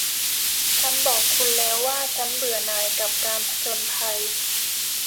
ฉันบอกคุณแล้วว่าฉันเบื่อหน่ายกับการผจญภัย